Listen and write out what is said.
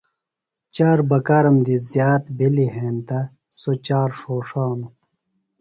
چار بکارم دی زِیات بِھلی ہینتہ سوۡ چار ݜوݜانوۡ۔